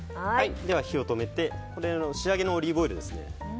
火を止めて、仕上げのオリーブオイルですね。